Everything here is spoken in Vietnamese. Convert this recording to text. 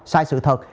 sai sự thật